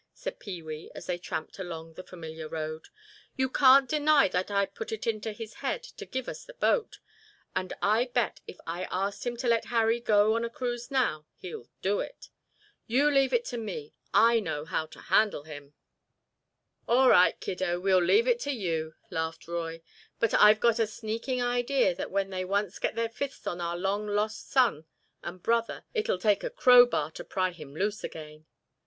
said Pee wee as they tramped along the familiar road. "You can't deny that I put it into his head to give us the boat. And I bet if I ask him to let Harry go on a cruise now, he'll do it. You leave it to me—I know how to handle him." "All right, kiddo, we'll leave it to you," laughed Roy, "but I've got a sneaking idea that when they once get their fists on our long lost son and brother it'll take a crow bar to pry him loose again."